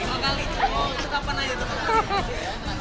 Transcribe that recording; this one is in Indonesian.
oh itu kapan aja tuh